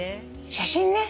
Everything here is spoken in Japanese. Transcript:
写真ね。